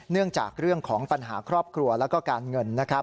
เนื่องจากเรื่องของปัญหาครอบครัวแล้วก็การเงิน